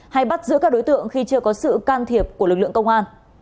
hay bắt giữ các đối tượng khi chưa có sự can thiệp của lực lượng công an